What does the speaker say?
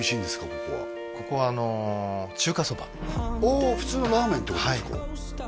ここはここはあのああ普通のラーメンってことですか？